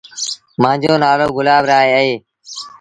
مآݩجو نآلو گلاب راء اهي۔